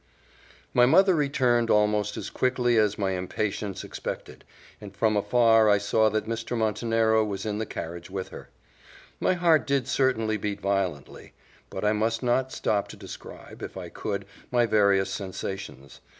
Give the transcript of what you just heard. My mother returned almost as quickly as my impatience expected, and from afar I saw that Mr. Montenero was in the carriage with her. My heart did certainly beat violently; but I must not stop to describe, if I could, my various sensations.